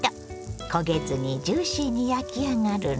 焦げずにジューシーに焼き上がるの。